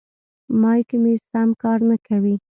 مایک مې سم کار نه کوي.